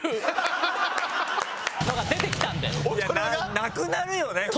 なくなるよね普通。